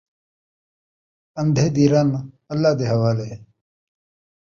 ان٘دھے دی رن اللہ دے حوالے